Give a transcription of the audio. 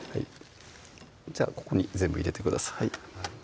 ここに全部入れてください